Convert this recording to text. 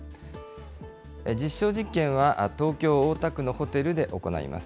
実証実験は、東京・大田区のホテルで行います。